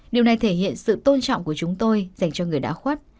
điều này thể hiện sự tôn trọng của chúng tôi dành cho người đã khuất